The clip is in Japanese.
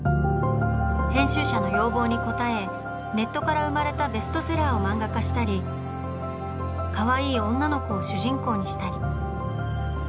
編集者の要望に応えネットから生まれたベストセラーを漫画化したりかわいい女の子を主人公にしたり。